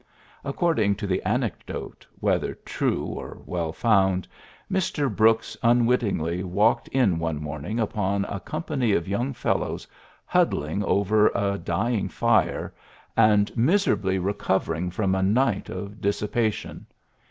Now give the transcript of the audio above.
According to the anec dote, whether true or well found, Mr. Brooks unwittingly walked in one morn ing upon a company of young fellows huddling over a dying fire, and miser 80 PHILLIPS BROOKS ably recovering from a night of dissipa tion.